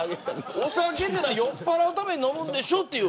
お酒は酔っぱらうために飲むんでしょって。